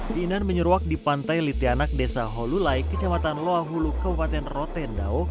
diinan menyeruak di pantai litianak desa holulai kecamatan loahulu kabupaten rotendao